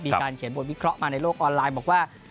มีการเขียนบทวิเคราะห์มาในโลกออนไลน์บอกว่า